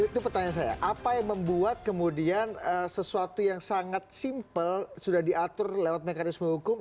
itu pertanyaan saya apa yang membuat kemudian sesuatu yang sangat simpel sudah diatur lewat mekanisme hukum